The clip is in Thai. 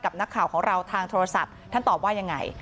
นักข่าวของเราทางโทรศัพท์ท่านตอบว่ายังไง